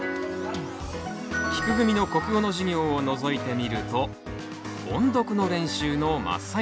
きく組の国語の授業をのぞいてみると音読の練習の真っ最中。